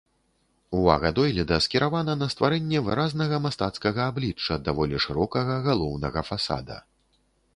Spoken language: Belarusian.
Увага дойліда скіравана на стварэнне выразнага мастацкага аблічча даволі шырокага галоўнага фасада.